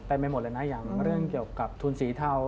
ไปหมดเลยนะอย่างเรื่องเกี่ยวกับทุนสีเทา